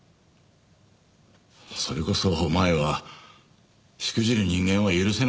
それこそ前はしくじる人間は許せなかった。